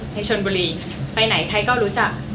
ในชนบุรีไปไหนใครก็รู้จัก